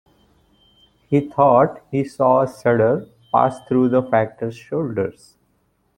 He thought he saw a shudder pass through the Factor's shoulders.